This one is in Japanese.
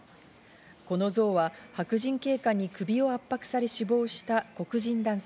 この像は白人警官に首を圧迫され死亡した黒人男性